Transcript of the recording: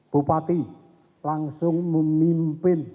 bupati langsung memimpin